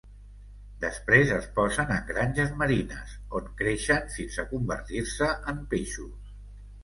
Després es posen en granges marines, on creixen fins a convertir-se en peixos.